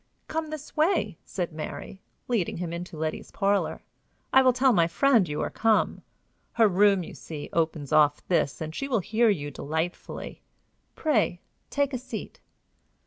"Come this way," said Mary, leading him into Letty's parlor. "I will tell my friend you are come. Her room, you see, opens off this, and she will hear you delightfully. Pray, take a seat."